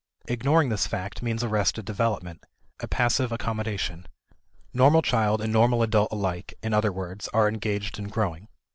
Ignoring this fact means arrested development, a passive accommodation. Normal child and normal adult alike, in other words, are engaged in growing.